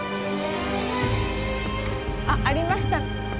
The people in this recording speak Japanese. あっありました。